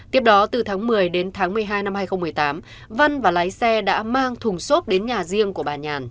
tiếp đó từ tháng một mươi đến tháng một mươi hai năm hai nghìn một mươi tám văn và lái xe đã mang thùng xốp đến nhà riêng của bà nhàn